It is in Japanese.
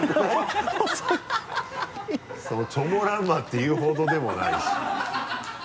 チョモランマっていうほどでもないし。